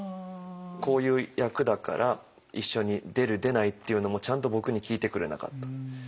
「こういう役だから一緒に出る出ないっていうのもちゃんと僕に聞いてくれなかった」。